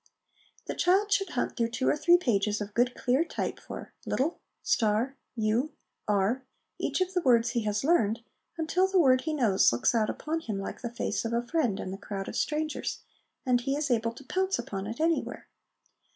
The child should hunt through two or three pages of good clear type for ' little,' ' star,' ' you,' ' are/ each of the words he has learned, until the word he knows looks out upon him like the face of a friend in a crowd of strangers, and he is able to pounce upon it anywhere.